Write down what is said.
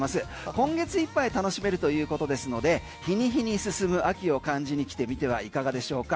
今月いっぱい楽しめるということですので日に日に進む秋を感じに来てみてはいかがでしょうか？